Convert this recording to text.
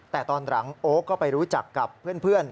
แต่ตอนหลังโอ๊คก็ไปรู้จักกับเพื่อน